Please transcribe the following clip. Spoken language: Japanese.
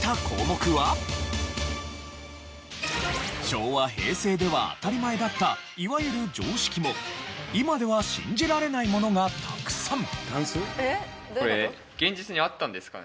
昭和・平成では当たり前だったいわゆる常識も今では信じられないものがたくさん。